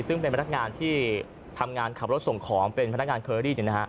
ซึ่งเป็นพนักงานที่ทำงานขับรถส่งของเป็นพนักงานเคอรี่